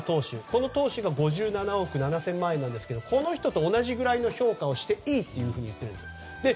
この投手が５７億７０００万円なんですがこの人と同じくらいの評価をしていいと言っているんです。